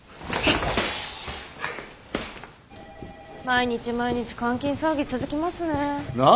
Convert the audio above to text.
毎日毎日監禁騒ぎ続きますね。な？